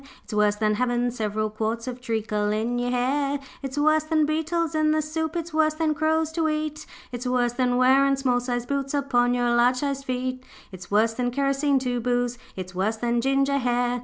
It's worse than havin' several quarts Of treacle in your hair. 'It's worse than beetles in the soup, It's worse than crows to eat. It's worse than wearin' small sized boots Upon your large sized feet. 'It's worse than kerosene to boose, It's worse than ginger hair.